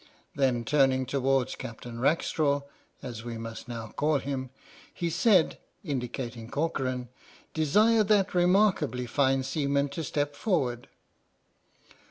Then, turning towards Captain Rackstraw, as we must now call him, he said (indicating Corcoran), " Desire that remarkably fine seaman to step forward."